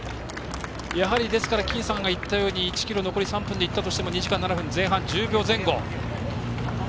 やはり、金さんが言ったように１ｋｍ残り３分でいったとしても２時間７分前半、１０秒前後。